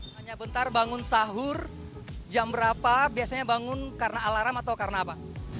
hanya bentar bangun sahur jam berapa biasanya bangun karena alarm atau karena apa